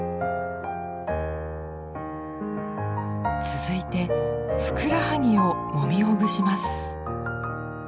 続いてふくらはぎをもみほぐします。